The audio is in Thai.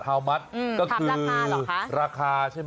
มัดก็คือราคาใช่ไหม